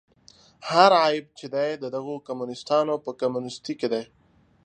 هر عیب چې دی د دغو کمونیستانو په کمونیستي کې دی.